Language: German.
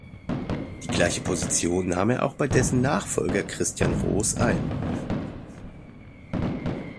Die gleiche Position nahm er auch bei dessen Nachfolger Christian Roos ein.